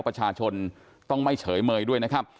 ประชาชนต้องไม่เฉยเมยด้วยนะครับ